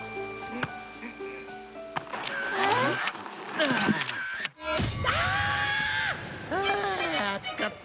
ああ暑かった。